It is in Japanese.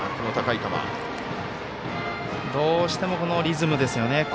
どうしてもこのリズムですよね。